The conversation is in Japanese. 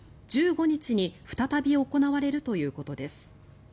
１５日に再び行われるということです。